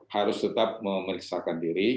harus tetap memeriksakan diri